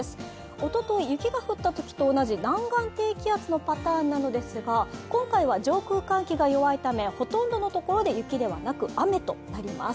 おととい、雪が降ったときと同じ南岸低気圧のパターンなのですが、今回は上空寒気が弱いためほとんどのところで雪ではなく、雨となります。